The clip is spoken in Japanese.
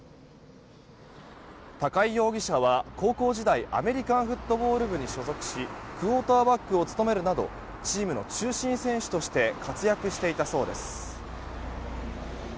高井容疑者は高校時代アメリカンフットボール部に所属しクオーターバックを務めるなどチームの中心選手として活躍していたそうです。